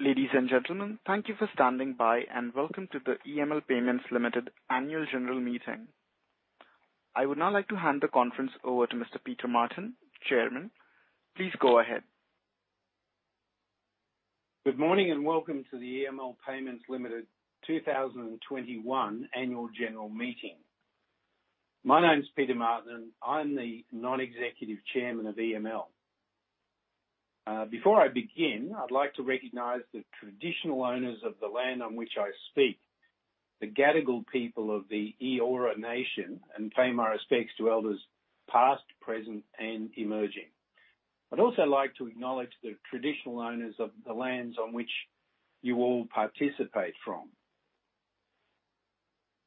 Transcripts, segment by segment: Ladies and gentlemen, thank you for standing by and welcome to the EML Payments Limited annual general meeting. I would now like to hand the conference over to Mr. Peter Martin, Chairman. Please go ahead. Good morning and welcome to the EML Payments Limited 2021 annual general meeting. My name's Peter Martin. I'm the Non-Executive Chairman of EML. Before I begin, I'd like to recognize the traditional owners of the land on which I speak, the Gadigal people of the Eora Nation, and pay my respects to elders past, present, and emerging. I'd also like to acknowledge the traditional owners of the lands on which you all participate from.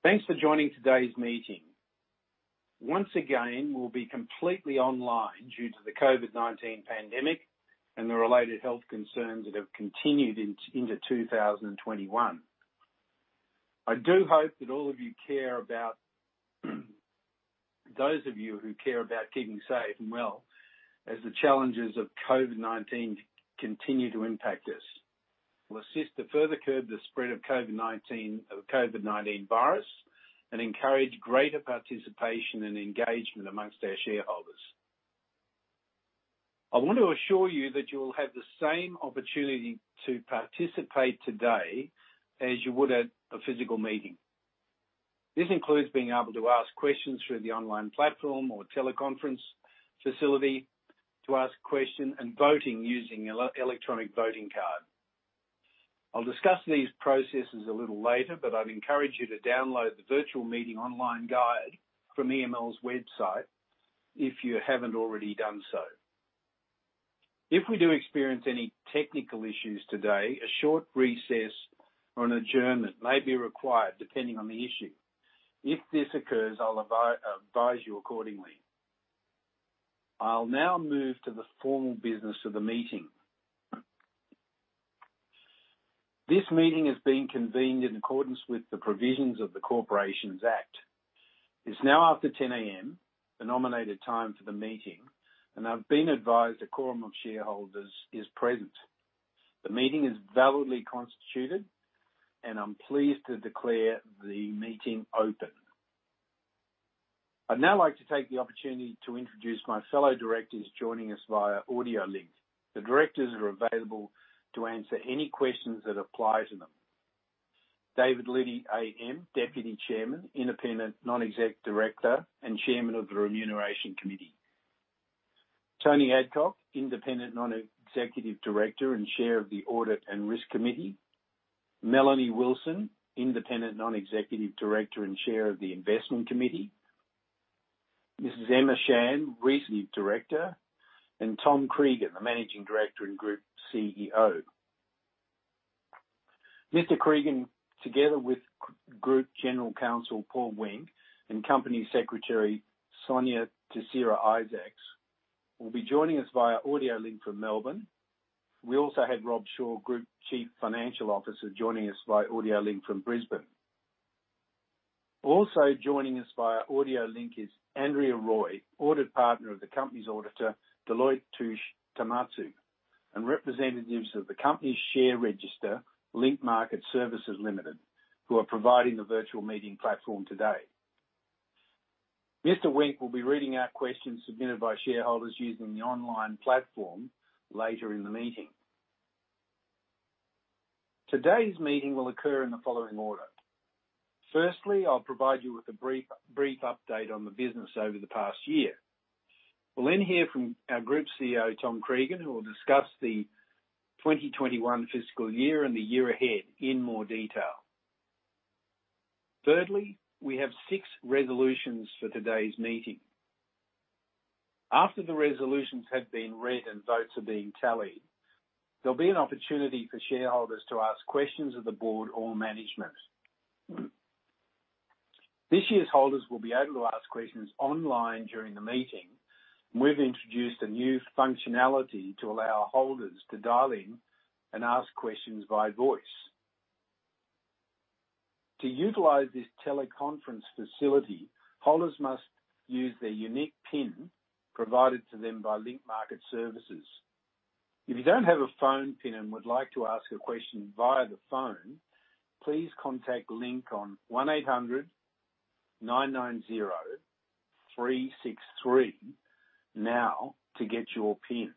Thanks for joining today's meeting. Once again, we'll be completely online due to the COVID-19 pandemic and the related health concerns that have continued into 2021. I do hope that all of you care about keeping safe and well as the challenges of COVID-19 continue to impact us. We'll assist to further curb the spread of COVID-19 virus and encourage greater participation and engagement among our shareholders. I want to assure you that you will have the same opportunity to participate today as you would at a physical meeting. This includes being able to ask questions through the online platform or teleconference facility and voting using electronic voting card. I'll discuss these processes a little later, but I'd encourage you to download the virtual meeting online guide from EML's website if you haven't already done so. If we do experience any technical issues today, a short recess or an adjournment may be required depending on the issue. If this occurs, I'll advise you accordingly. I'll now move to the formal business of the meeting. This meeting is being convened in accordance with the provisions of the Corporations Act. It's now after 10 A.M., the nominated time for the meeting, and I've been advised a quorum of shareholders is present. The meeting is validly constituted, and I'm pleased to declare the meeting open. I'd now like to take the opportunity to introduce my fellow directors joining us via audio link. The directors are available to answer any questions that applies to them. David Liddy AM, Deputy Chairman, independent non-exec director, and Chairman of the Remuneration Committee. Tony Adcock, independent non-executive director and Chair of the Audit and Risk Committee. Melanie Wilson, independent non-executive director and Chair of the Investment Committee. Mrs Emma Shand, Non-Executive Director, and Tom Cregan, the Managing Director and Group CEO. Mr Cregan, together with Group General Counsel Paul Wenk, and Company Secretary Sonya Tissera-Isaacs, will be joining us via audio link from Melbourne. We also have Rob Shaw, Group Chief Financial Officer, joining us via audio link from Brisbane. Also joining us via audio link is Andrea Roy, Audit Partner of the company's auditor, Deloitte Touche Tohmatsu, and representatives of the company's share register, Link Market Services Limited, who are providing the virtual meeting platform today. Mr. Wenk will be reading out questions submitted by shareholders using the online platform later in the meeting. Today's meeting will occur in the following order. Firstly, I'll provide you with a brief update on the business over the past year. We'll then hear from our Group CEO, Tom Cregan, who will discuss the 2021 fiscal year and the year ahead in more detail. Thirdly, we have six resolutions for today's meeting. After the resolutions have been read and votes are being tallied, there'll be an opportunity for shareholders to ask questions of the board or management. This year's holders will be able to ask questions online during the meeting. We've introduced a new functionality to allow holders to dial in and ask questions via voice. To utilize this teleconference facility, holders must use their unique PIN provided to them by Link Market Services. If you don't have a phone PIN and would like to ask a question via the phone, please contact Link on 1-800-990-363 now to get your PIN.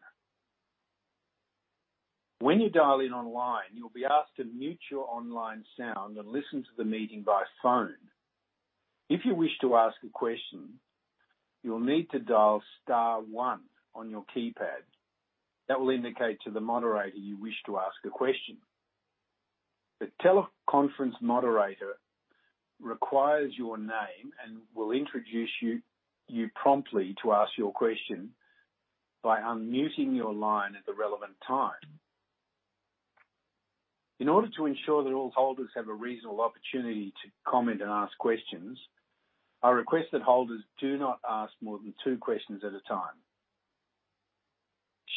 When you dial in online, you'll be asked to mute your online sound and listen to the meeting via phone. If you wish to ask a question, you'll need to dial star one on your keypad. That will indicate to the moderator you wish to ask a question. The teleconference moderator requires your name and will introduce you and prompt you to ask your question by unmuting your line at the relevant time. In order to ensure that all holders have a reasonable opportunity to comment and ask questions, I request that holders do not ask more than two questions at a time.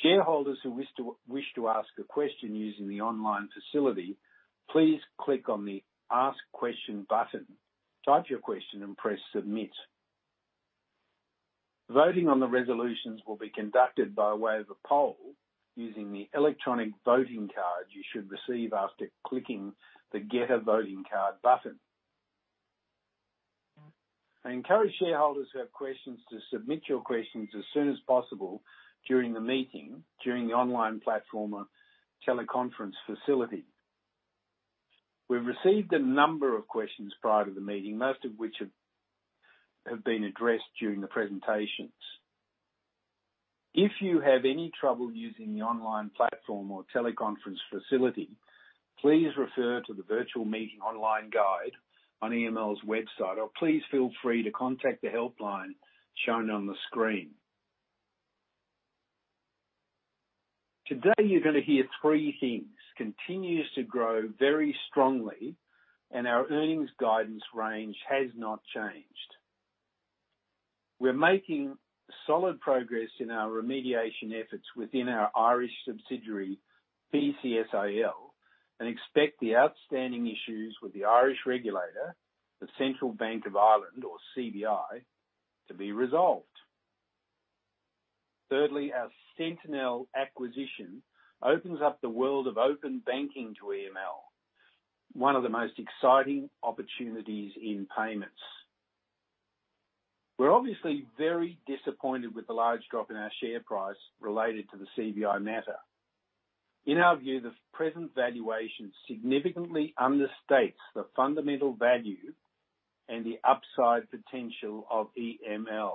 Shareholders who wish to ask a question using the online facility, please click on the Ask Question button, type your question, and press Submit. Voting on the resolutions will be conducted by way of a poll using the electronic voting card you should receive after clicking the Get a Voting Card button. I encourage shareholders who have questions to submit your questions as soon as possible during the meeting, during the online platform or teleconference facility. We've received a number of questions prior to the meeting, most of which have been addressed during the presentations. If you have any trouble using the online platform or teleconference facility, please refer to the Virtual Meeting Online guide on EML's website or please feel free to contact the helpline shown on the screen. Today, you're gonna hear three things. EML continues to grow very strongly, and our earnings guidance range has not changed. We're making solid progress in our remediation efforts within our Irish subsidiary, PCSIL, and expect the outstanding issues with the Irish regulator, the Central Bank of Ireland, or CBI, to be resolved. Thirdly, our Sentenial acquisition opens up the world of open banking to EML, one of the most exciting opportunities in payments. We're obviously very disappointed with the large drop in our share price related to the CBI matter. In our view, the present valuation significantly understates the fundamental value and the upside potential of EML.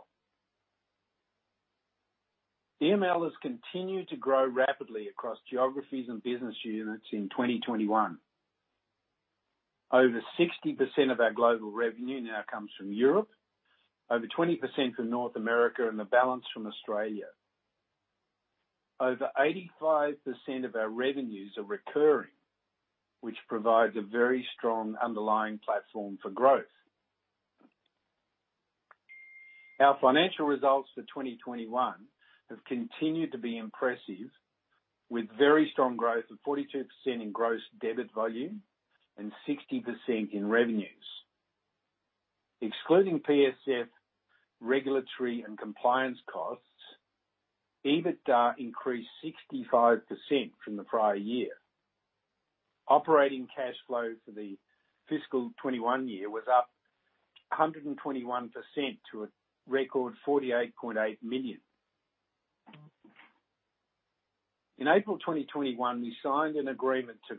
EML has continued to grow rapidly across geographies and business units in 2021. Over 60% of our global revenue now comes from Europe, over 20% from North America, and the balance from Australia. Over 85% of our revenues are recurring, which provides a very strong underlying platform for growth. Our financial results for 2021 have continued to be impressive, with very strong growth of 42% in gross debit volume and 60% in revenues. Excluding PFS regulatory and compliance costs, EBITDA increased 65% from the prior year. Operating cash flow for the fiscal 2021 year was up 121% to a record AUD 48.8 million. In April 2021, we signed an agreement to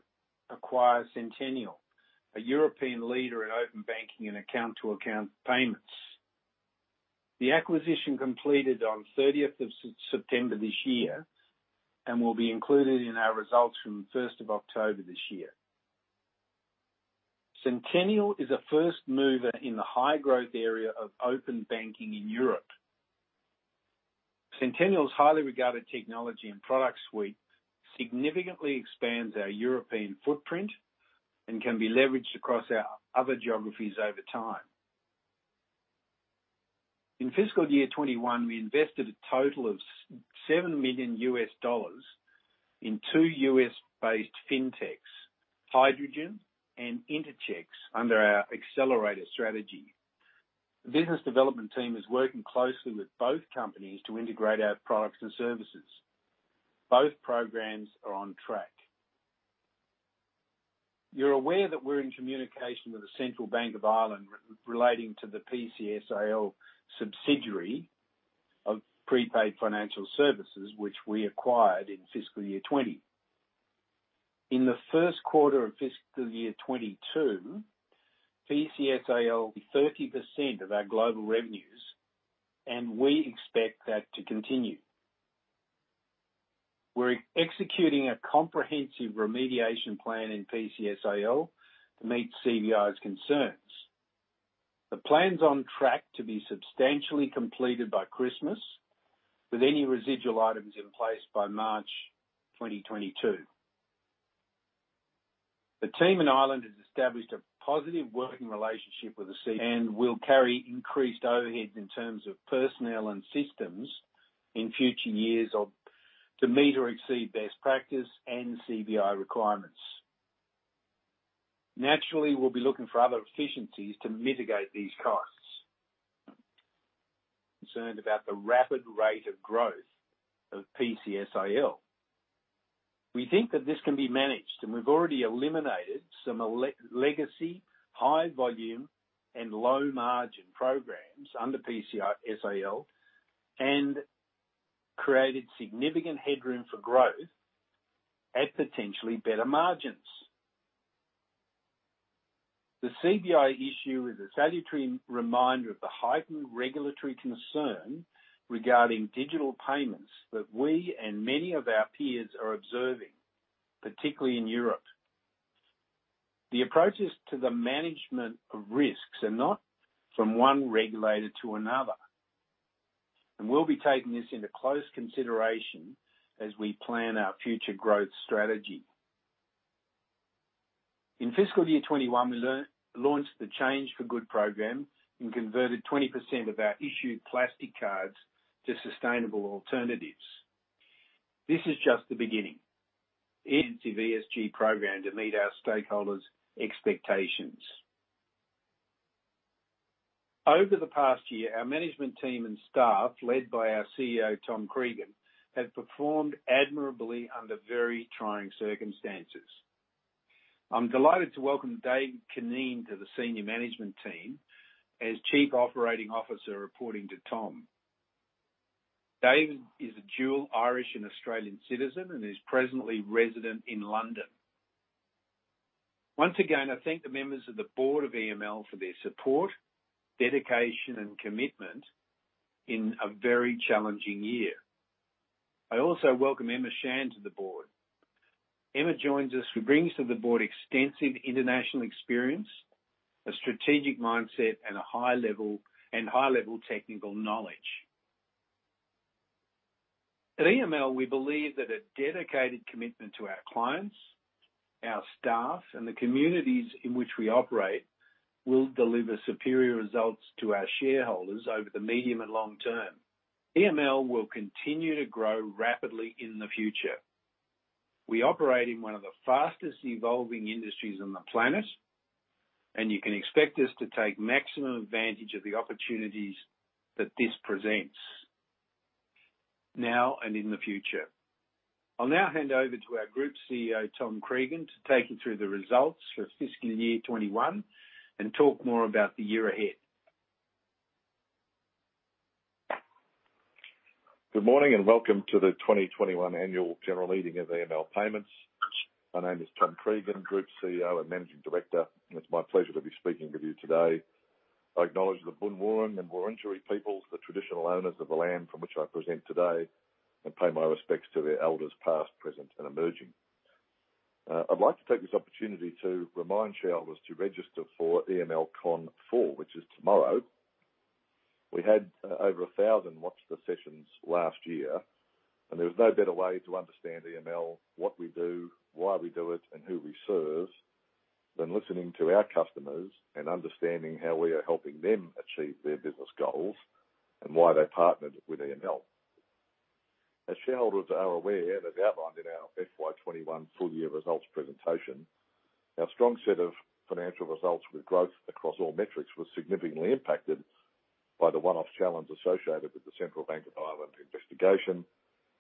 acquire Sentenial, a European leader in open banking and account-to-account payments. The acquisition completed on 30th of September this year and will be included in our results from 1st of October this year. Sentenial is a first mover in the high-growth area of open banking in Europe. Sentenial's highly regarded technology and product suite significantly expands our European footprint and can be leveraged across our other geographies over time. In fiscal year 2021, we invested a total of $7 million in two U.S.-based fintechs, Hydrogen and Interchecks, under our accelerator strategy. The business development team is working closely with both companies to integrate our products and services. Both programs are on track. You're aware that we're in communication with the Central Bank of Ireland relating to the PCSIL subsidiary of Prepaid Financial Services which we acquired in fiscal year 2020. In the first quarter of FY 2022, PCSIL will be 30% of our global revenues, and we expect that to continue. We're executing a comprehensive remediation plan in PCSIL to meet CBI's concerns. The plan's on track to be substantially completed by Christmas, with any residual items in place by March 2022. The team in Ireland has established a positive working relationship with the CBI and will carry increased overheads in terms of personnel and systems in future years to meet or exceed best practice and CBI requirements. Naturally, we'll be looking for other efficiencies to mitigate these costs. We are concerned about the rapid rate of growth of PCSIL. We think that this can be managed, and we've already eliminated some legacy, high volume, and low margin programs under PCSIL, and created significant headroom for growth at potentially better margins. The CBI issue is a salutary reminder of the heightened regulatory concern regarding digital payments that we and many of our peers are observing, particularly in Europe. The approaches to the management of risks are not from one regulator to another, and we'll be taking this into close consideration as we plan our future growth strategy. In fiscal year 2021, we launched the Change for Good program and converted 20% of our issued plastic cards to sustainable alternatives. This is just the beginning of EML's ESG program to meet our stakeholders' expectations. Over the past year, our management team and staff, led by our CEO, Tom Cregan, have performed admirably under very trying circumstances. I'm delighted to welcome Dave Cunneen to the senior management team as Chief Operating Officer, reporting to Tom. Dave is a dual Irish and Australian citizen and is presently resident in London. Once again, I thank the members of the Board of EML for their support, dedication, and commitment in a very challenging year. I also welcome Emma Shand to the Board. Emma joins us and brings to the Board extensive international experience, a strategic mindset, and high-level technical knowledge. At EML, we believe that a dedicated commitment to our clients, our staff, and the communities in which we operate will deliver superior results to our shareholders over the medium and long term. EML will continue to grow rapidly in the future. We operate in one of the fastest evolving industries on the planet, and you can expect us to take maximum advantage of the opportunities that this presents now and in the future. I'll now hand over to our Group CEO, Tom Cregan, to take you through the results for fiscal year 2021 and talk more about the year ahead. Good morning, and welcome to the 2021 annual general meeting of EML Payments. My name is Tom Cregan, Group CEO and Managing Director, and it's my pleasure to be speaking with you today. I acknowledge the Boon Wurrung and Wurundjeri peoples, the traditional owners of the land from which I present today, and pay my respects to their elders past, present, and emerging. I'd like to take this opportunity to remind shareholders to register for EML Con 4, which is tomorrow. We had over 1,000 watch the sessions last year, and there is no better way to understand EML, what we do, why we do it, and who we serve than listening to our customers and understanding how we are helping them achieve their business goals and why they partnered with EML. As shareholders are aware, and as outlined in our FY 2021 full-year results presentation, our strong set of financial results with growth across all metrics was significantly impacted by the one-off challenge associated with the Central Bank of Ireland investigation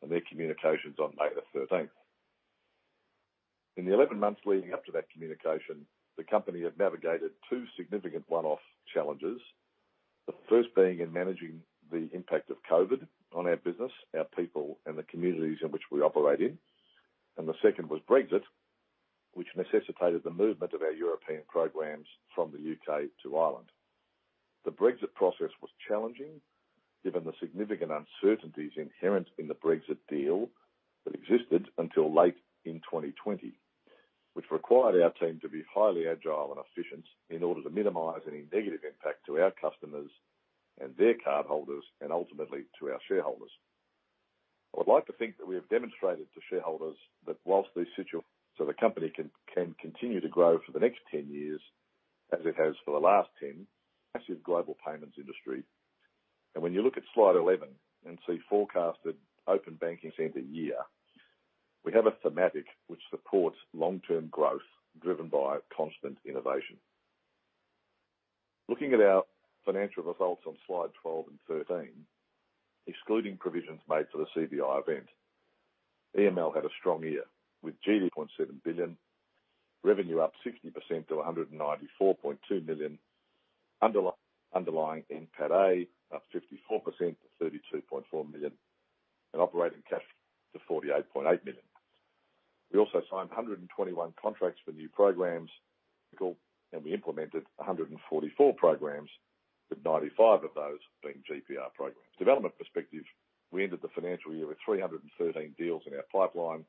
and their communications on May 13. In the 11 months leading up to that communication, the company had navigated two significant one-off challenges. The first being in managing the impact of COVID on our business, our people, and the communities in which we operate in. The second was Brexit, which necessitated the movement of our European programs from the U.K. to Ireland. The Brexit process was challenging given the significant uncertainties inherent in the Brexit deal that existed until late in 2020, which required our team to be highly agile and efficient in order to minimize any negative impact to our customers and their cardholders and ultimately to our shareholders. I would like to think that we have demonstrated to shareholders that the company can continue to grow for the next 10 years as it has for the last 10 in the massive global payments industry. When you look at slide 11 and see forecasted open banking center year, we have a thematic which supports long-term growth driven by constant innovation. Looking at our financial results on slide 12 and 13, excluding provisions made for the CBI event, EML had a strong year with GDV 0.7 billion, revenue up 60% to 194.2 million, underlying NPATA up 54% to 32.4 million, and operating cash to 48.8 million. We also signed 121 contracts for new programs, and we implemented 144 programs, with 95 of those being GPR programs. From a development perspective, we ended the financial year with 313 deals in our pipeline,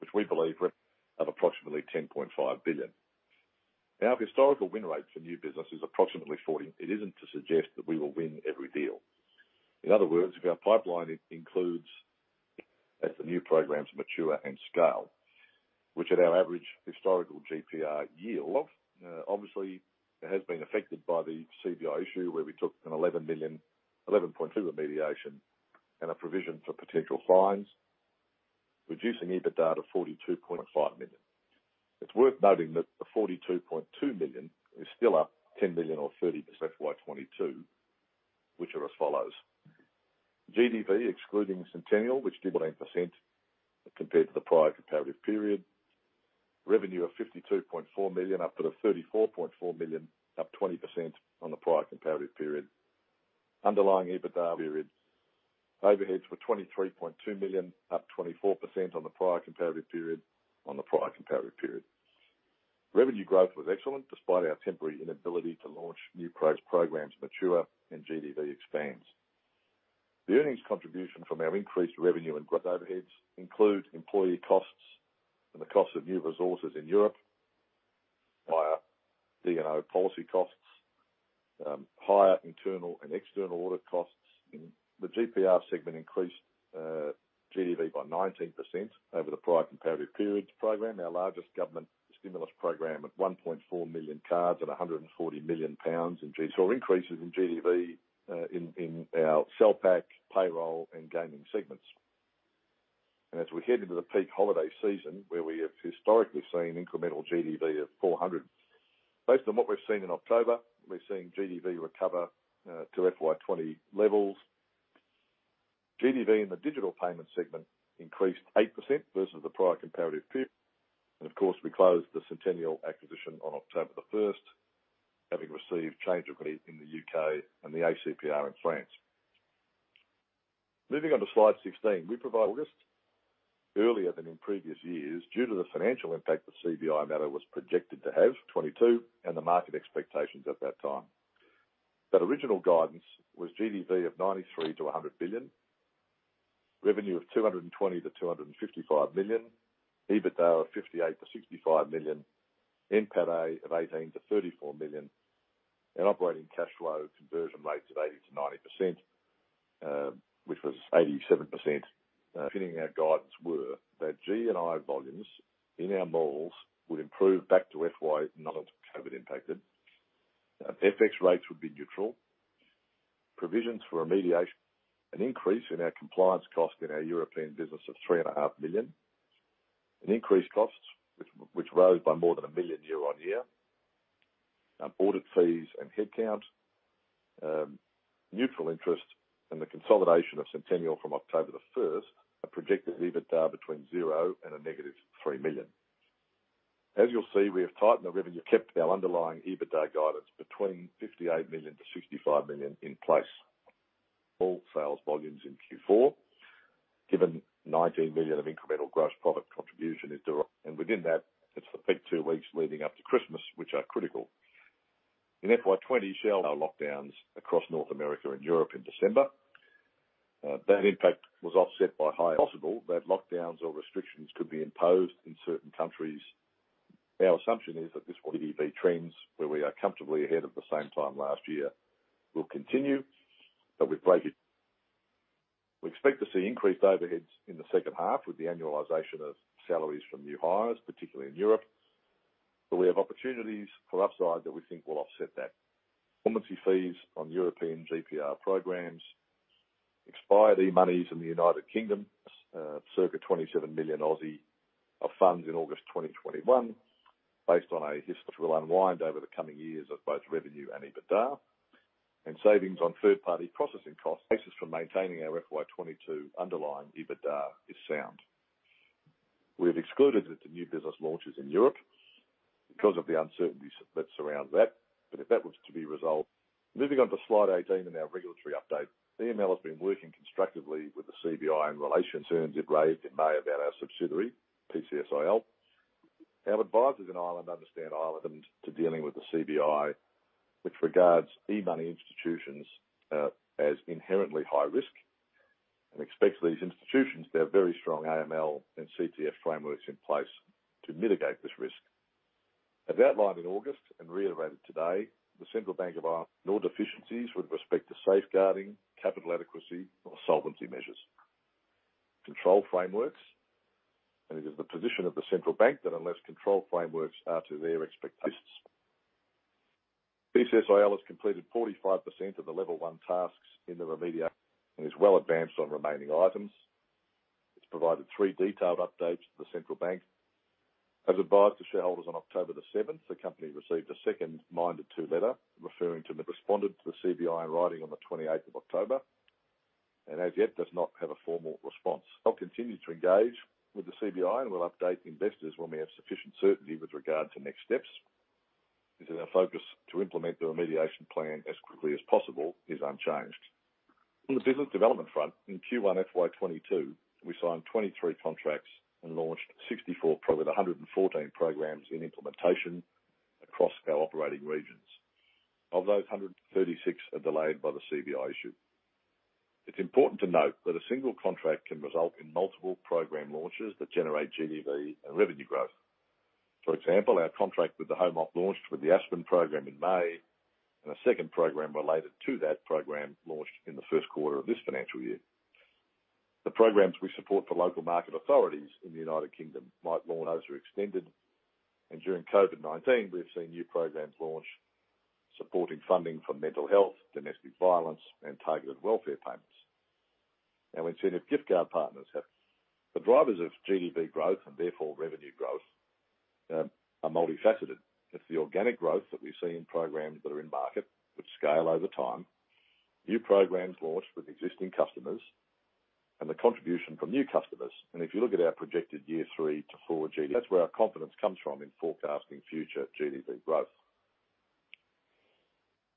which we believe of approximately 10.5 billion. Now, historical win rate for new business is approximately 40%. It isn't to suggest that we will win every deal. In other words, if our pipeline includes as the new programs mature and scale, which at our average historical GPR yield. Obviously it has been affected by the CBI issue where we took an 11.2 million remediation and a provision for potential fines, reducing EBITDA to 42.5 million. It's worth noting that the 42.2 million is still up 10 million or 30% FY 2022, which are as follows: GDV, excluding Sentenial, which doubled 8% compared to the prior comparative period. Revenue of 52.4 million, up from the 34.4 million, up 20% on the prior comparative period. Underlying EBITDA period. Overheads were 23.2 million, up 24% on the prior comparative period. Revenue growth was excellent despite our temporary inability to launch new programs mature and GDV expands. The earnings contribution from our increased revenue and growth in overheads include employee costs and the cost of new resources in Europe, via D&O policy costs, higher internal and external audit costs. In the GPR segment increased GDV by 19% over the prior comparative period powering our largest government stimulus program at 1.4 million cards and 140 million pounds in GDV. Increases in GDV in our Salary Packaging, payroll, and gaming segments. As we head into the peak holiday season, where we have historically seen incremental GDV of 400. Based on what we've seen in October, we're seeing GDV recover to FY 2020 levels. GDV in the digital payment segment increased 8% versus the prior comparative period. Of course, we closed the Sentenial acquisition on October 1st, having received change approval in the U.K. and the ACPR in France. Moving on to slide 16, we provided guidance in August, earlier than in previous years, due to the financial impact the CBI matter was projected to have in 2022, and the market expectations at that time. That original guidance was GDV of 93 billion-100 billion, revenue of 220 million-255 million, EBITDA of 58 million-65 million, NPATA of 18 million-34 million, and operating cash flow conversion rates of 80%-90%, which was 87%. The assumptions fitting our guidance were that gift card volumes in our malls would improve back to pre-COVID levels. FX rates would be neutral. Provisions for remediation. An increase in our compliance costs in our European business of 3.5 million. Increased costs, which rose by more than 1 million year-on-year. Audit fees and headcount. Neutral interest in the consolidation of Sentenial from October 1st. Projected EBITDA between 0 and -3 million. As you'll see, we have tightened the revenue. Kept our underlying EBITDA guidance between 58 million-65 million in place. All sales volumes in Q4. Given 19 billion of incremental gross profit contribution is derived. Within that, it's the peak 2 weeks leading up to Christmas, which are critical. In FY 2020, sales. Lockdowns across North America and Europe in December. That impact was offset by higher. Possible that lockdowns or restrictions could be imposed in certain countries. Our assumption is that this GDV trends, where we are comfortably ahead of the same time last year, will continue, but we bracket it. We expect to see increased overheads in the second half with the annualization of salaries from new hires, particularly in Europe, but we have opportunities for upside that we think will offset that. Performance fees on European GPR programs. Expired e-money in the U.K. Circa 27 million of funds in August 2021 will unwind over the coming years of both revenue and EBITDA. Savings on third-party processing costs. Basis for maintaining our FY 2022 underlying EBITDA is sound. We have excluded the new business launches in Europe because of the uncertainties that surround that. If that was to be resolved. Moving on to slide 18 in our regulatory update. EML has been working constructively with the CBI in relation to concerns it raised in May about our subsidiary, PCSIL. Our advisors in Ireland understand dealing with the CBI, which regards e-money institutions as inherently high risk and expects these institutions to have very strong AML and CTF frameworks in place to mitigate this risk. As outlined in August and reiterated today, the Central Bank of Ireland no deficiencies with respect to safeguarding, capital adequacy or solvency measures, control frameworks. It is the position of the central bank that unless control frameworks are to their expectations. PCSIL has completed 45% of the level one tasks in the remediation and is well advanced on remaining items. It has provided three detailed updates to the central bank. As advised to shareholders on October 7th, the company received a second minded-to letter. Responded to the CBI in writing on the 28th of October. As yet, it does not have a formal response. I'll continue to engage with the CBI, and we'll update investors when we have sufficient certainty with regard to next steps. Our focus to implement the remediation plan as quickly as possible is unchanged. On the business development front, in Q1 FY 2022, we signed 23 contracts and launched 64 programs with 114 programs in implementation across our operating regions. Of those, 136 are delayed by the CBI issue. It's important to note that a single contract can result in multiple program launches that generate GDV and revenue growth. For example, our contract with the Home Office launched with the Aspen program in May, and a second program related to that program launched in the first quarter of this financial year. The programs we support for local market authorities in the United Kingdom might launch or extended. During COVID-19, we've seen new programs launch supporting funding for mental health, domestic violence, and targeted welfare payments. The drivers of GDV growth and therefore revenue growth are multifaceted. It's the organic growth that we see in programs that are in market, which scale over time, new programs launched with existing customers, and the contribution from new customers. If you look at our projected year three to four GDV. That's where our confidence comes from in forecasting future GDV growth.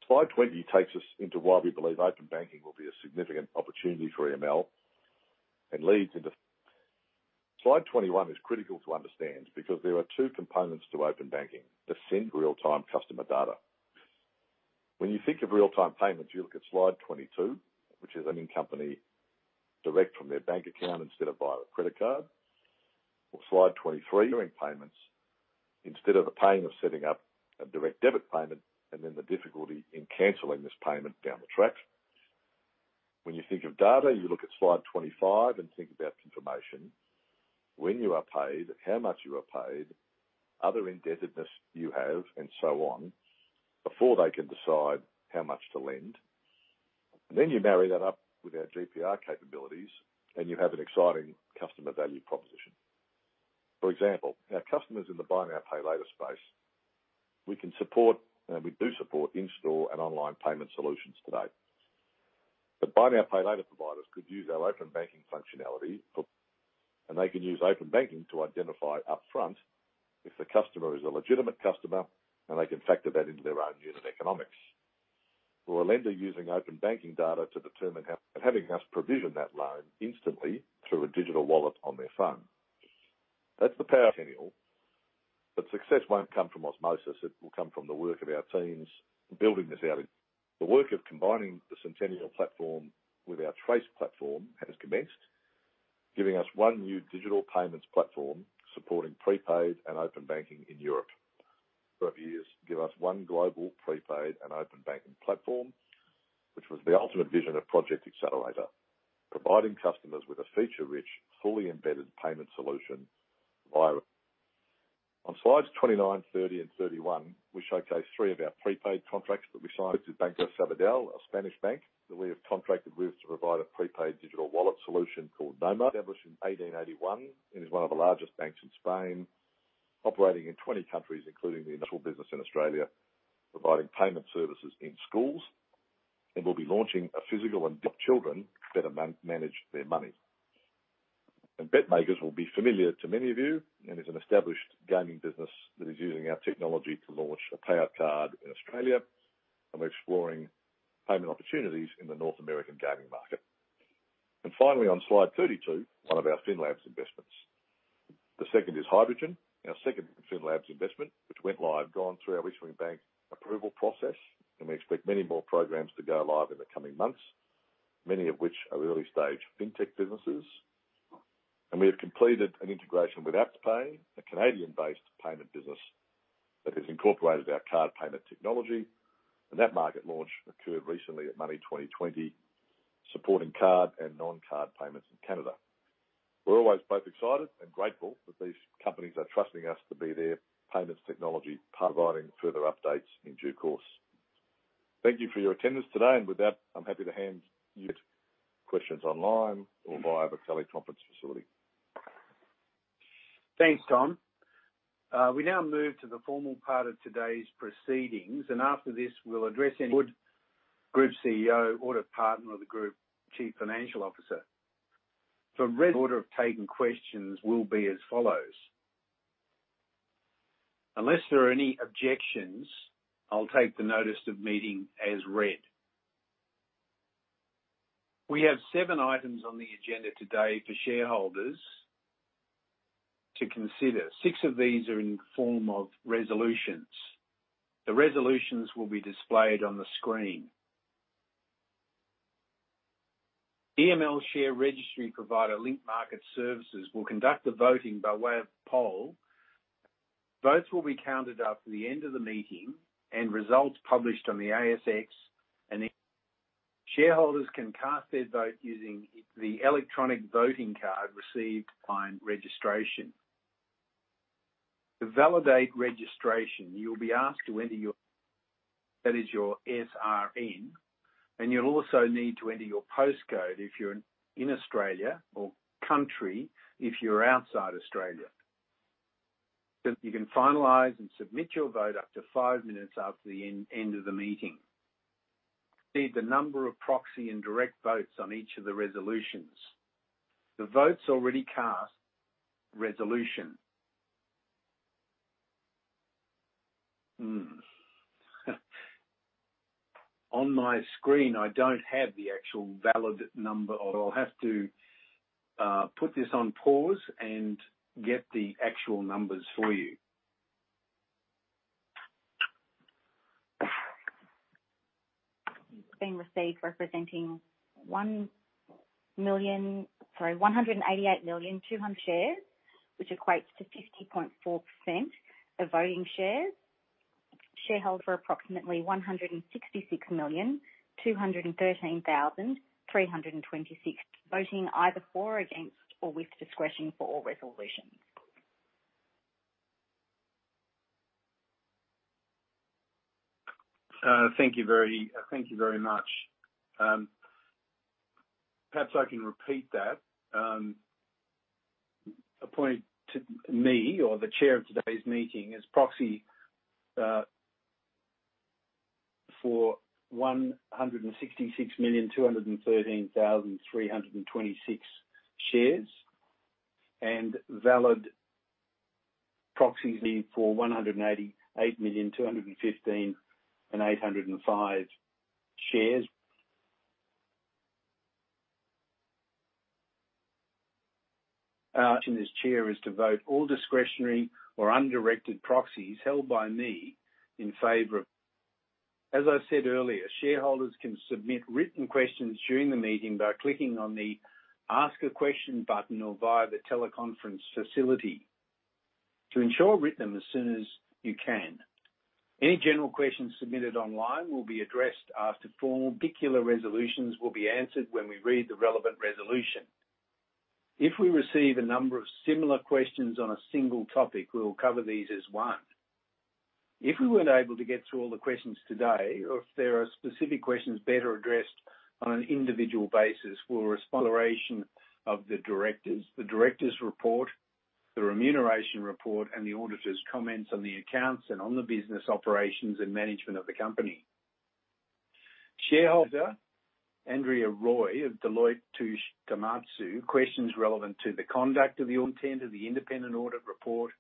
Slide 20 takes us into why we believe open banking will be a significant opportunity for EML and leads into. Slide 21 is critical to understand because there are two components to open banking. To send real-time customer data. When you think of real-time payments, you look at slide 22, which is account-to-account direct from their bank account instead of via credit card. Slide 23. Direct payments instead of the pain of setting up a direct debit payment, and then the difficulty in canceling this payment down the track. When you think of data, you look at slide 25 and think about information when you are paid, how much you are paid, other indebtedness you have, and so on, before they can decide how much to lend. You marry that up with our GPR capabilities, and you have an exciting customer value proposition. For example, our customers in the buy now, pay later space, we can support, and we do support in-store and online payment solutions today. But buy now, pay later providers could use our open banking functionality for... They can use open banking to identify upfront if the customer is a legitimate customer, and they can factor that into their own unit economics. A lender using open banking data to determine how, and having us provision that loan instantly through a digital wallet on their phone. That's the power. Success won't come from osmosis. It will come from the work of our teams building this out. The work of combining the Sentenial platform with our Trace platform has commenced, giving us one new digital payments platform supporting prepaid and open banking in Europe. Give us one global prepaid and open banking platform, which was the ultimate vision of Project Accelerator, providing customers with a feature-rich, fully embedded payment solution via. On slides 29, 30, and 31, we showcase three of our prepaid contracts that we signed with Banco Sabadell, a Spanish bank that we have contracted with to provide a prepaid digital wallet solution called Doma. Established in 1881, it is one of the largest banks in Spain, operating in 20 countries, including the initial business in Australia, providing payment services in schools. We'll be launching a physical card and children better manage their money. BetMakers will be familiar to many of you and is an established gaming business that is using our technology to launch a payout card in Australia. We're exploring payment opportunities in the North American gaming market. Finally, on slide 32, one of our FINLAB's investments. The second is Hydrogen, our second FinLab's investment, which went live, gone through our issuing bank approval process, and we expect many more programs to go live in the coming months, many of which are early-stage fintech businesses. We have completed an integration with AptPay, a Canadian-based payment business that has incorporated our card payment technology. That market launch occurred recently at Money 20/20, supporting card and non-card payments in Canada. We're always both excited and grateful that these companies are trusting us to be their payments technology, providing further updates in due course. Thank you for your attendance today. With that, I'm happy to hand you questions online or via the teleconference facility. Thanks, Tom. We now move to the formal part of today's proceedings, and after this, we'll address any questions for the Group CEO or the Group Chief Financial Officer. The order of taking questions will be as follows. Unless there are any objections, I'll take the notice of meeting as read. We have seven items on the agenda today for shareholders to consider. Six of these are in the form of resolutions. The resolutions will be displayed on the screen. EML share registry provider Link Market Services will conduct the voting by way of poll. Votes will be counted after the end of the meeting and results published on the ASX, and shareholders can cast their vote using the electronic voting card received upon registration. To validate registration, you'll be asked to enter your... That is your SRN, and you'll also need to enter your postcode if you're in Australia or country if you're outside Australia. You can finalize and submit your vote up to five minutes after the end of the meeting. See the number of proxy and direct votes on each of the resolutions, the votes already cast resolution. On my screen, I don't have the actual valid number. I'll have to put this on pause and get the actual numbers for you. It's been received representing 188,200,000 shares, which equates to 50.4% of voting shares. Shareholder approximately 166,213,326 voting either for or against or with discretion for all resolutions. Thank you very much. Perhaps I can repeat that, appointed to me or the Chair of today's meeting as proxy for 166,213,326 shares and valid proxies received for 188,215,805 shares. As Chair is to vote all discretionary or undirected proxies held by me in favor of the resolutions. As I said earlier, shareholders can submit written questions during the meeting by clicking on the Ask a Question button or via the teleconference facility to ensure they're answered as soon as you can. Any general questions submitted online will be addressed after the particular resolutions. Questions will be answered when we read the relevant resolution. If we receive a number of similar questions on a single topic, we will cover these as one. If we weren't able to get through all the questions today, or if there are specific questions better addressed on an individual basis for consideration of the directors, the Directors' Report, the Remuneration Report, and the auditor's comments on the accounts and on the business operations and management of the company, Audit Partner, Andrea Roy of Deloitte Touche Tohmatsu, questions relevant to the conduct of the audit, the Independent Audit Report,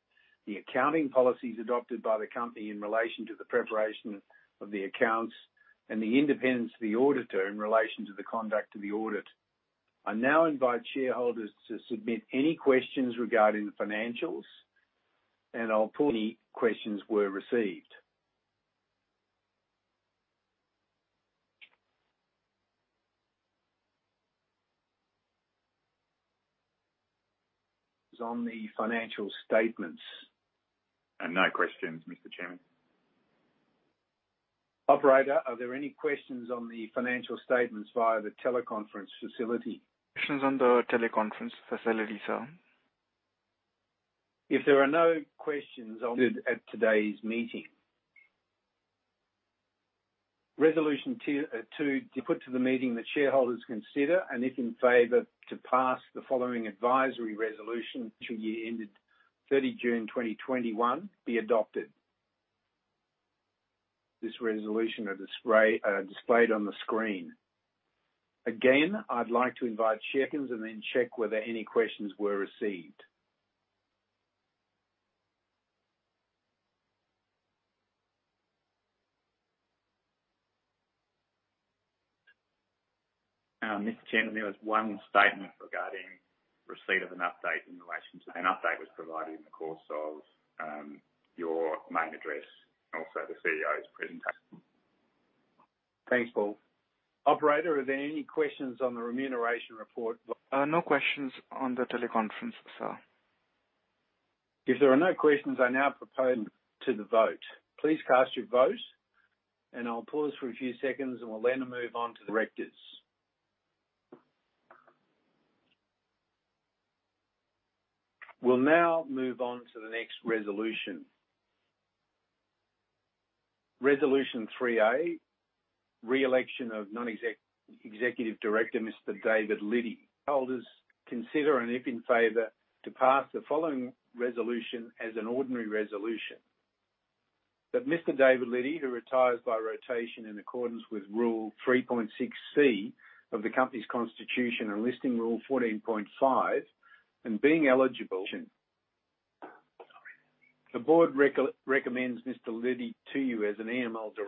the accounting policies adopted by the company in relation to the preparation of the accounts, and the independence of the auditor in relation to the conduct of the audit. I now invite shareholders to submit any questions regarding the financials, and I'll put any questions we received. This is on the financial statements. No questions, Mr. Chairman. Operator, are there any questions on the financial statements via the teleconference facility? Questions on the teleconference facility, sir. If there are no questions at today's meeting. Resolution 2 put to the meeting that shareholders consider, and if in favor, to pass the following advisory resolution, which ended 30 June 2021, be adopted. This resolution is displayed on the screen. Again, I'd like to invite shareholders. Then check whether any questions were received. Mr. Chairman, an update was provided in the course of your main address and also the CEO's presentation. Thanks, Paul. Operator, are there any questions on the Remuneration Report? No questions on the teleconference, sir. If there are no questions, I now propose to the vote. Please cast your vote, and I'll pause for a few seconds, and we'll then move on to the directors. We'll now move on to the next resolution. Resolution 3A, re-election of non-executive director, Mr. David Liddy. Shareholders consider, and if in favor, to pass the following resolution as an ordinary resolution. That Mr. David Liddy, who retires by rotation in accordance with rule 3.6C of the company's constitution and Listing Rule 14.5. The board recommends Mr. Liddy to you. His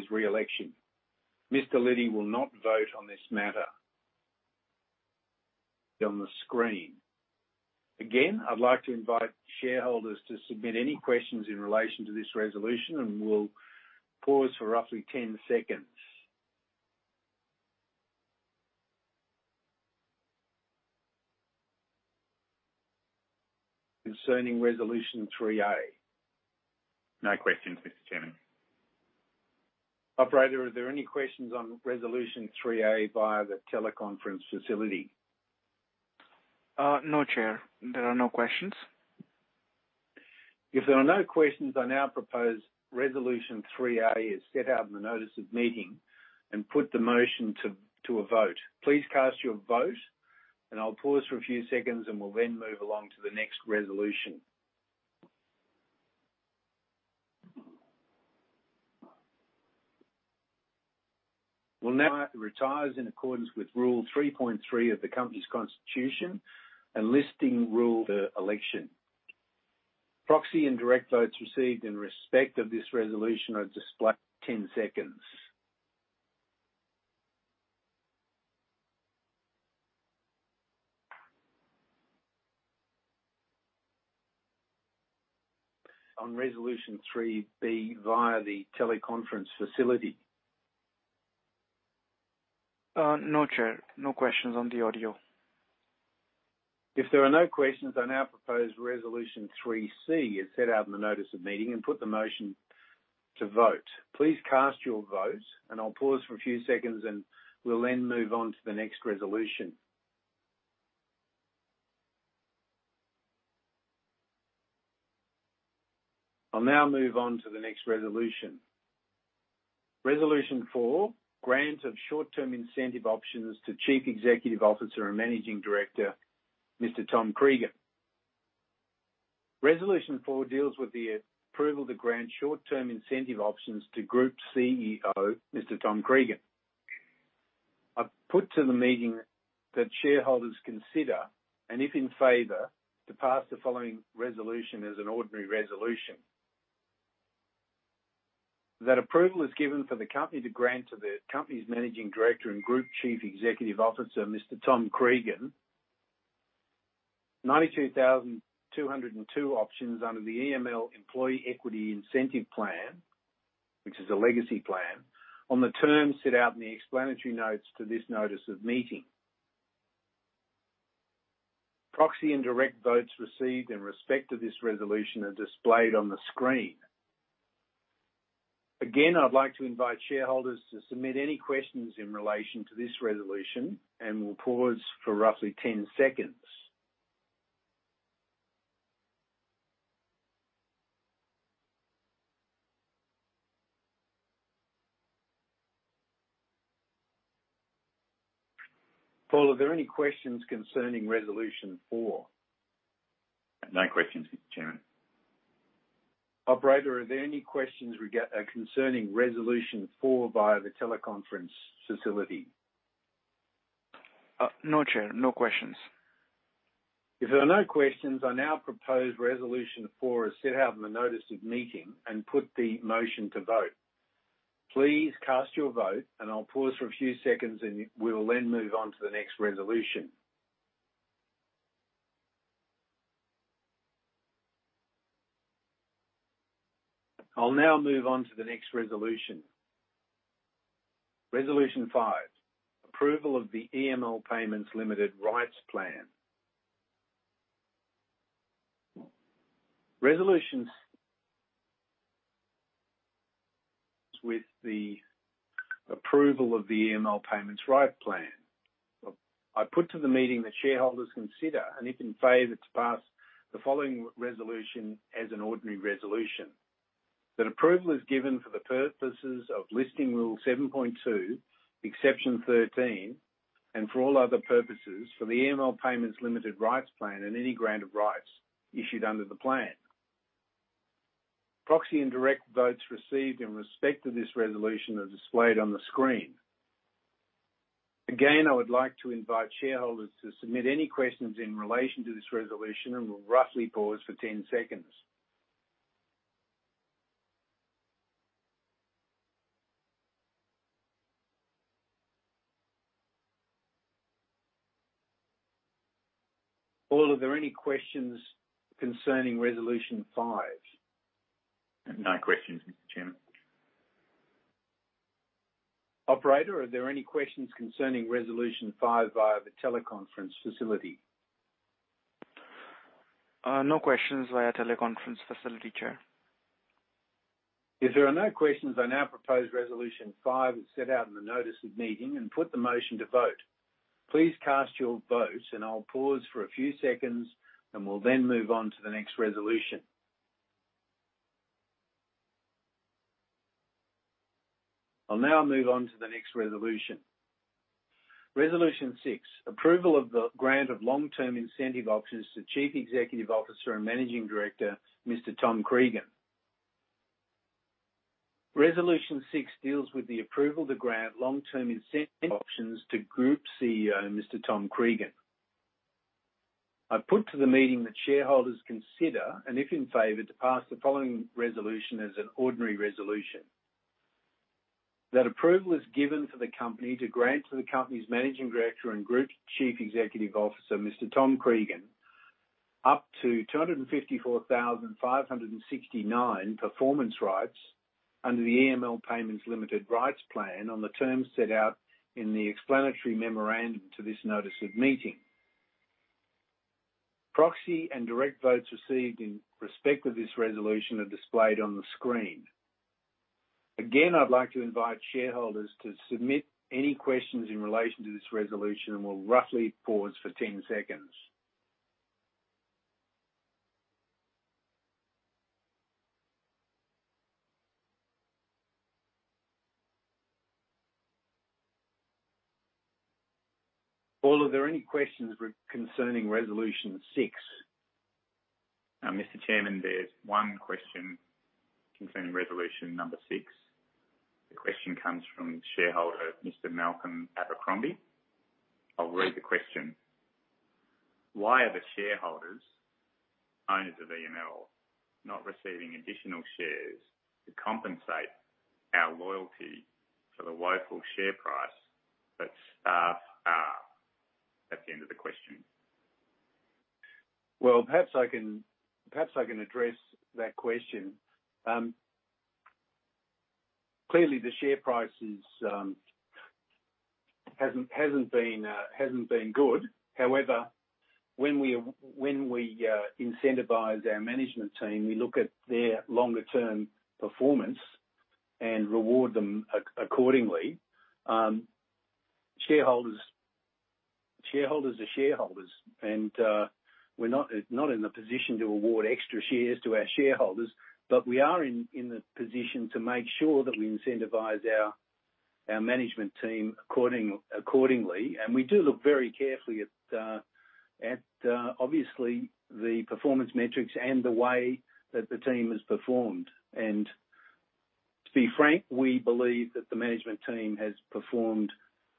reelection. Mr. Liddy will not vote on this matter. On the screen. Again, I'd like to invite shareholders to submit any questions in relation to this resolution, and we'll pause for roughly 10 seconds concerning Resolution 3A. No questions, Mr. Chairman. Operator, are there any questions on Resolution 3A via the teleconference facility? No, Chair. There are no questions. If there are no questions, I now propose Resolution 3A, as set out in the notice of meeting, and put the motion to a vote. Please cast your vote, and I'll pause for a few seconds, and we'll then move along to the next resolution. The Chair will now retire in accordance with rule 3.3 of the company's constitution and Listing Rule 14.5 for the election. Proxy and direct votes received in respect of this resolution are displayed in 10 seconds. On Resolution 3B via the teleconference facility. No, Chair. No questions on the audio. If there are no questions, I now propose Resolution 3C, as set out in the notice of meeting, and put the motion to vote. Please cast your vote, and I'll pause for a few seconds, and we'll then move on to the next resolution. I'll now move on to the next resolution. Resolution 4, grant of short-term incentive options to Chief Executive Officer and Managing Director, Mr. Tom Cregan. Resolution 4 deals with the approval to grant short-term incentive options to Group CEO, Mr. Tom Cregan. I put to the meeting that shareholders consider, and if in favor, to pass the following resolution as an ordinary resolution. That approval is given for the company to grant to the company's Managing Director and Group Chief Executive Officer, Mr. Tom Cregan, 92,202 options under the EML Employee Equity Incentive Plan, which is a legacy plan, on the terms set out in the explanatory notes to this notice of meeting. Proxy and direct votes received in respect to this resolution are displayed on the screen. Again, I'd like to invite shareholders to submit any questions in relation to this resolution, and we'll pause for roughly 10 seconds. Paul, are there any questions concerning Resolution 4? No questions, Mr. Chairman. Operator, are there any questions concerning Resolution 4 via the teleconference facility? No, Chair. No questions. If there are no questions, I now propose Resolution 4 as set out in the notice of meeting and put the motion to vote. Please cast your vote, and I'll pause for a few seconds, and we will then move on to the next resolution. Resolution 5, approval of the EML Payments Limited rights plan. I put to the meeting that shareholders consider, and if in favor, to pass the following resolution as an ordinary resolution. That approval is given for the purposes of Listing Rule 7.2, Exception 13, and for all other purposes for the EML Payments Limited rights plan and any grant of rights issued under the plan. Proxy and direct votes received in respect to this resolution are displayed on the screen. Again, I would like to invite shareholders to submit any questions in relation to this resolution, and we'll roughly pause for 10 seconds. Paul, are there any questions concerning Resolution 5? No questions, Mr. Chairman. Operator, are there any questions concerning Resolution 5 via the teleconference facility? No questions via teleconference facility, Chair. If there are no questions, I now propose Resolution 5 as set out in the notice of meeting and put the motion to vote. Please cast your votes, and I'll pause for a few seconds, and we'll then move on to the next resolution. I'll now move on to the next resolution. Resolution 6, approval of the grant of long-term incentive options to Chief Executive Officer and Managing Director, Mr. Tom Cregan. Resolution 6 deals with the approval to grant long-term incentive options to Group CEO, Mr. Tom Cregan. I put to the meeting that shareholders consider, and if in favor, to pass the following resolution as an ordinary resolution. That approval is given for the company to grant to the company's Managing Director and Group Chief Executive Officer, Mr. Tom Cregan, up to 254,569 performance rights under the EML Payments Limited rights plan on the terms set out in the explanatory memorandum to this notice of meeting. Proxy and direct votes received in respect of this resolution are displayed on the screen. Again, I'd like to invite shareholders to submit any questions in relation to this resolution, and we'll roughly pause for 10 seconds. Paul, are there any questions concerning Resolution 6? Mr. Chairman, there's one question concerning Resolution number six. The question comes from shareholder, Mr. Malcolm Abercrombie. I'll read the question. "Why are the shareholders, owners of EML, not receiving additional shares to compensate our loyalty for the woeful share price that staff are?" That's the end of the question. Well, perhaps I can address that question. Clearly the share price hasn't been good. However, when we incentivize our management team, we look at their longer-term performance and reward them accordingly. Shareholders are shareholders, and we're not in the position to award extra shares to our shareholders. We are in the position to make sure that we incentivize our management team accordingly. We do look very carefully at obviously the performance metrics and the way that the team has performed. To be frank, we believe that the management team has performed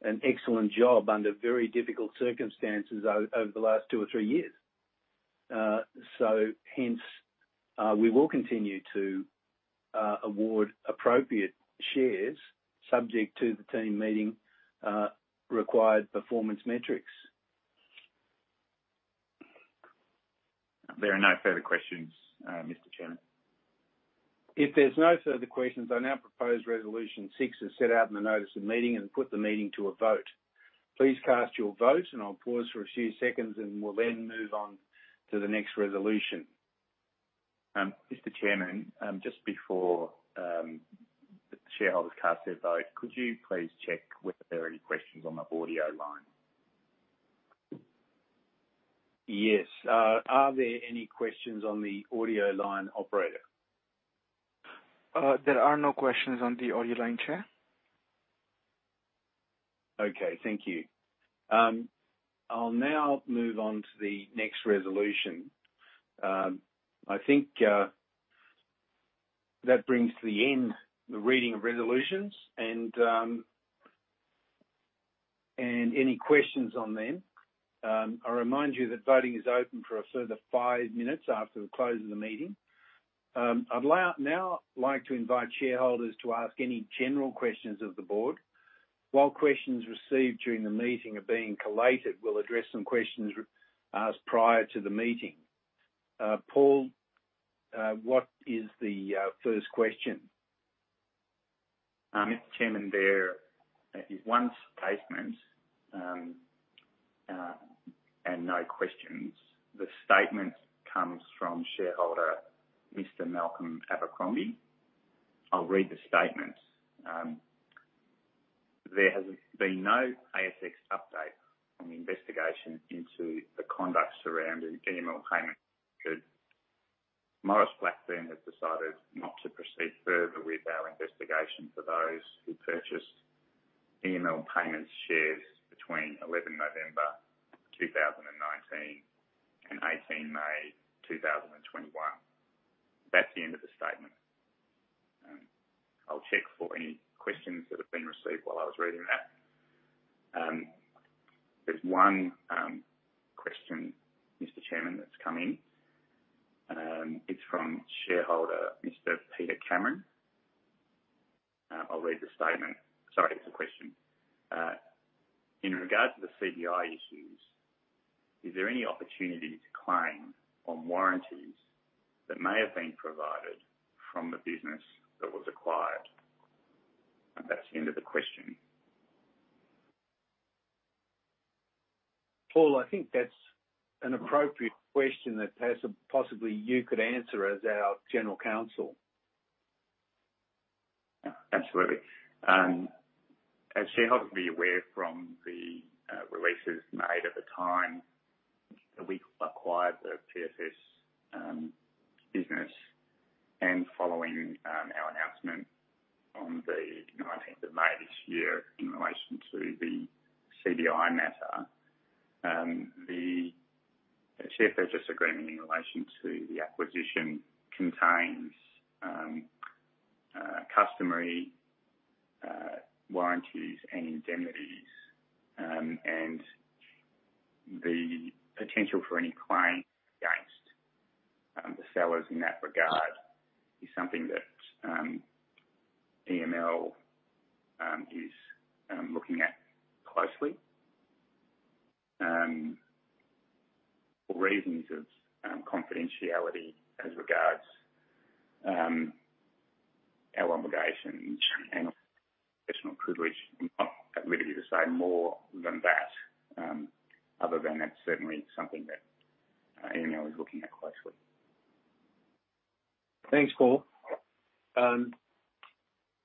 an excellent job under very difficult circumstances over the last two or three years. We will continue to award appropriate shares subject to the team meeting the required performance metrics. There are no further questions, Mr. Chairman. If there's no further questions, I now propose Resolution 6 as set out in the notice of meeting and put the meeting to a vote. Please cast your vote, and I'll pause for a few seconds, and we'll then move on to the next resolution. Mr. Chairman, just before the shareholders cast their vote, could you please check whether there are any questions on the audio line? Yes. Are there any questions on the audio line, operator? There are no questions on the audio line, Chair. Okay, thank you. I'll now move on to the next resolution. I think that brings to the end the reading of resolutions and any questions on them. I remind you that voting is open for a further five minutes after the close of the meeting. I'd now like to invite shareholders to ask any general questions of the board. While questions received during the meeting are being collated, we'll address some questions asked prior to the meeting. Paul, what is the first question? Mr. Chairman, there is one statement and no questions. The statement comes from shareholder Mr. Malcolm Abercrombie. I'll read the statement. There has been no ASX update on the investigation into the conduct surrounding EML Payments Limited. Maurice Blackburn has decided not to proceed further with our investigation for those who purchased EML Payments shares between 11 November 2019 and 18th May 2021. That's the end of the statement. I'll check for any questions that have been received while I was reading that. There's one question, Mr. Chairman, that's come in. It's from shareholder Mr. Peter Cameron. I'll read the statement. Sorry, it's a question. In regard to the CBI issues, is there any opportunity to claim on warranties that may have been provided from the business that was acquired? That's the end of the question. Paul, I think that's an appropriate question that possibly you could answer as our General Counsel. Absolutely. As shareholders will be aware from the releases made at the time that we acquired the PFS business and following our announcement on the 19th of May this year in relation to the CBI matter, the share purchase agreement in relation to the acquisition contains customary warranties and indemnities. The potential for any claim against the sellers in that regard is something that EML is looking at closely. For reasons of confidentiality as regards our obligations and professional privilege, I'm not at liberty to say more than that, other than that's certainly something that EML is looking at closely. Thanks, Paul.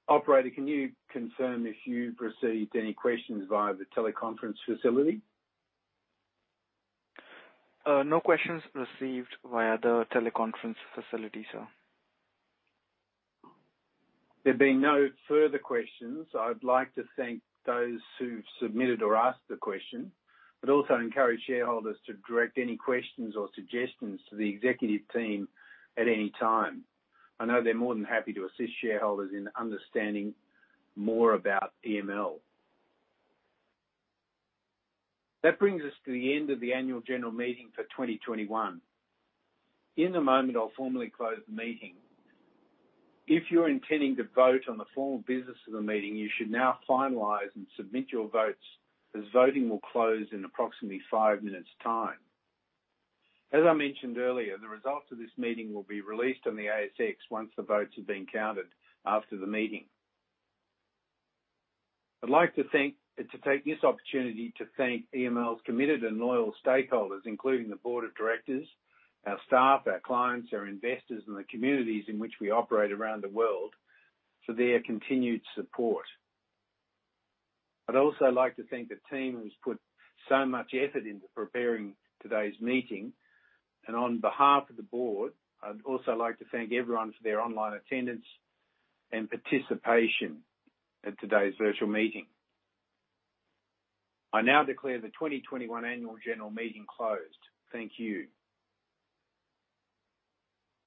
Operator, can you confirm if you've received any questions via the teleconference facility? No questions received via the teleconference facility, sir. There being no further questions, I would like to thank those who've submitted or asked a question, but also encourage shareholders to direct any questions or suggestions to the executive team at any time. I know they're more than happy to assist shareholders in understanding more about EML. That brings us to the end of the annual general meeting for 2021. In a moment, I'll formally close the meeting. If you're intending to vote on the formal business of the meeting, you should now finalize and submit your votes, as voting will close in approximately five minutes' time. As I mentioned earlier, the results of this meeting will be released on the ASX once the votes have been counted after the meeting. I'd like to take this opportunity to thank EML's committed and loyal stakeholders, including the board of directors, our staff, our clients, our investors, and the communities in which we operate around the world for their continued support. I'd also like to thank the team who's put so much effort into preparing today's meeting. On behalf of the board, I'd also like to thank everyone for their online attendance and participation at today's virtual meeting. I now declare the 2021 annual general meeting closed. Thank you.